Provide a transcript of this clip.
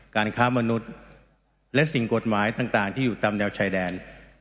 การค้ามนุษย์และสิ่งกฎหมายต่างที่อยู่ตามแนวชายแดน